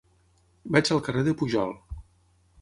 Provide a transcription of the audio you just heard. Vaig al carrer de Pujol.